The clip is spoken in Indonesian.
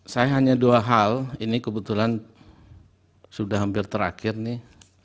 saya hanya dua hal ini kebetulan sudah hampir terakhir nih